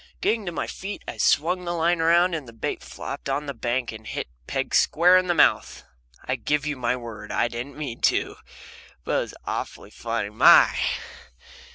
Getting to my feet I swung the line around and the bait flopped up the bank and hit Peg square in the mouth I give you my word I didn't mean to, but it was awfully funny! My!